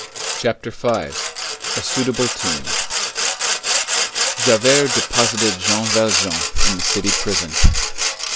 CHAPTER V—A SUITABLE TOMB Javert deposited Jean Valjean in the city prison.